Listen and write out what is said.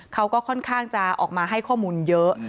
เขาก็ค่อนข้างจะออกมาให้ข้อมูลเยอะ